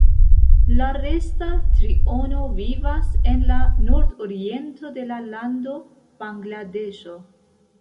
La resta triono vivas en la nordoriento de la lando Bangladeŝo.